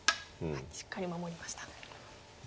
しっかり守りました。